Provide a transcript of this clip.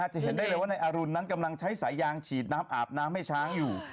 จะเห็นได้เลยว่านายอรุณนั้นกำลังใช้สายยางฉีดน้ำอาบน้ำให้ช้างอยู่